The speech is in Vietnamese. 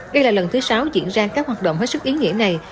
đây là lần thứ sáu diễn ra các hoạt động hết sức ý nghĩa này